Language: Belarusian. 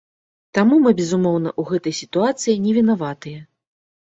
Таму мы, безумоўна, у гэтай сітуацыі не вінаватыя.